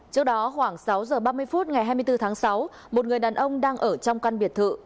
trước đó khoảng sáu giờ ba mươi phút ngày hai mươi bốn tháng sáu một người đàn ông đang ở trong căn biệt thự